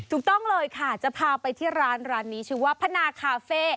ถูกต้องเลยค่ะจะพาไปที่ร้านร้านนี้ชื่อว่าพนาคาเฟ่